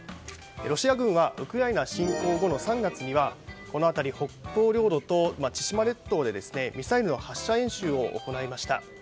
ロシア軍はウクライナ侵攻後の３月にはこの辺り、北方領土と千島列島でミサイルの発射演習を行いました。